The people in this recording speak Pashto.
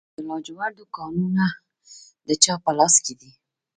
د لاجوردو کانونه د چا په لاس کې دي؟